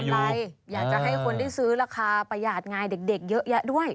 อะไรอยากจะให้คนได้ซื้อราคาประหยาดงายเด็กเยอะแยะด้วย